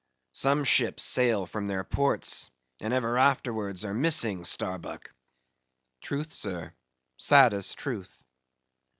"Some ships sail from their ports, and ever afterwards are missing, Starbuck!" "Truth, sir: saddest truth."